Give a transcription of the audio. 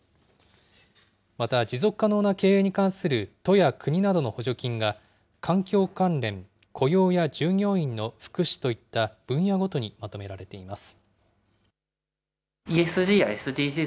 また、持続可能な経営に関する都や国などの補助金が環境関連、雇用や従業員の福祉といった分野ごとにまとめられています。